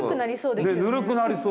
ねえぬるくなりそう。